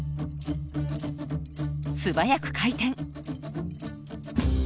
素早く回転！